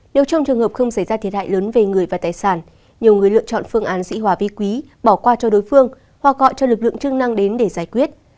đều trong trường hợp không xảy ra thiệt hại lớn về người và tài sản nhiều người lựa chọn phương án dĩ hòa vi quý bỏ qua cho đối phương hoặc gọi cho lực lượng chức năng đến để giải quyết